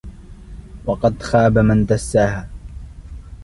وَقَدْ خَابَ مَنْ دَسَّاهَا